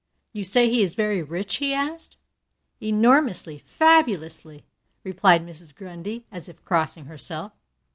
"You say he is very rich?" he asked. "Enormously, fabulously," replied Mrs. Grundy, as if crossing herself.